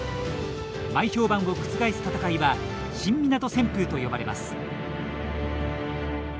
前評判を覆す戦いは新湊旋風と呼ばれます。